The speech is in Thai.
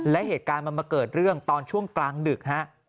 และเหตุการณ์มันมาเกิดเรื่องตอนช่วงกลางดึกฮะ